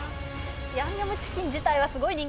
ヤンニョムチキン自体はすごい人気だから。